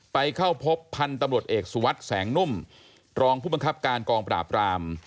ไปเข้าพบพันธุ์ตำรวจเอกสุวัสดิ์แสงนุ่มรองผู้บังคับการกองปราบราม